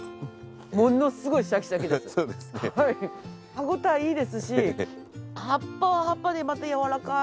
歯応えいいですし葉っぱは葉っぱでまたやわらかい。